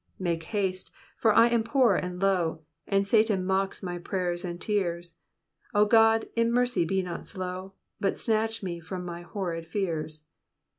Make haste, for I am poor and low ; And Satan mocks my prayers and tears ; O God, In mercy be not slow. But snatch mc from ray horrid fears.